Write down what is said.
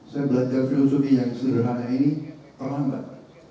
saya belajar filosofi yang sederhana ini terlambat